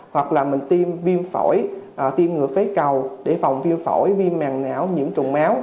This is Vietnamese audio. hoặc là mình tiêm viêm phổi tiêm ngừa phế cầu để phòng viêm phổi viêm màng não nhiễm trùng máu